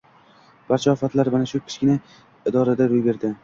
Barcha ofatlar mana shu kichikkina idorada ro`y berdi